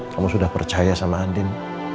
kamu sudah percaya sama andin